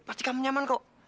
pasti kamu nyaman kok